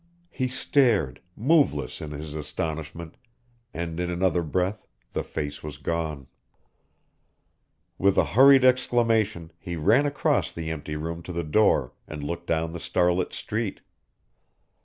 He stared, moveless in his astonishment, and in another breath the face was gone. With a hurried exclamation he ran across the empty room to the door and looked down the starlit street.